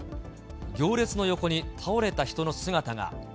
行列の横に倒れた人の姿が。